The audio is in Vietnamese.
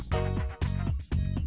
rồi xin cảm ơn